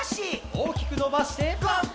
おおきくのばして。